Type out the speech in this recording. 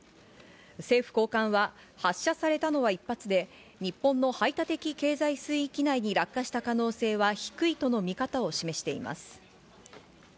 政府高官は発射されたのは１発で、日本の排他的経済水域内に落下した可能性は低いとの見方を示しています。